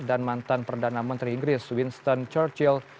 dan mantan perdana menteri inggris winston churchill